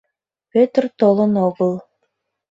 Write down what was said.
Пӧтыр толын огыл.